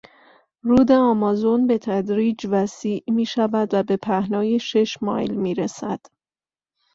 رود آمازون به تدریج وسیع میشود و به پهنای شش مایل میرسد.